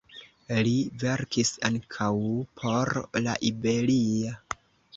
Li verkis ankaŭ por "La Iberia".